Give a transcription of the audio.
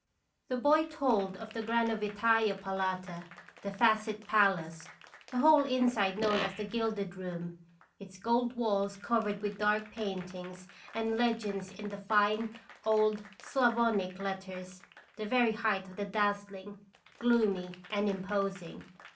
The boy told of the Granovitai'a Palata, the Facet Palace, the whole inside known as the Gilded Room, its gold walls covered with dark paintings and legends in the fine old Sclavonic letters, the very height of the dazzling, gloomy, and imposing.